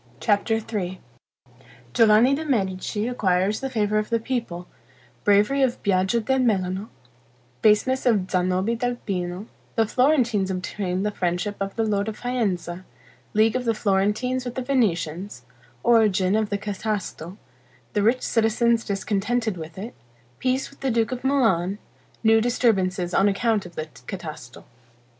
CHAPTER III Giovanni de' Medici acquires the favor of the people Bravery of Biaggio del Melano Baseness of Zanobi del Pino The Florentines obtain the friendship of the lord of Faenza League of the Florentines with the Venetians Origin of the Catasto The rich citizens discontented with it Peace with the duke of Milan New disturbances on account of the Catasto.